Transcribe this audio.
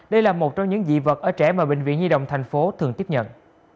đây là một trong những dị vật ở trẻ mà bệnh viện nhi động tp hcm thường tiếp nhận